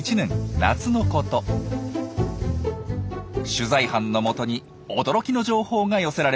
取材班のもとに驚きの情報が寄せられました。